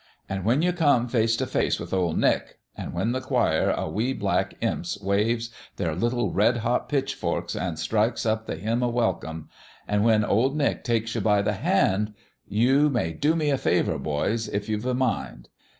An' when you come face t' face with OF Nick an' when the choir o' wee black imps waves their little red hot pitchforks an' strikes up the hymn o' welcome an' when Ol' Nick takes you by the hand you may do me a favour, boys, if you've the mind.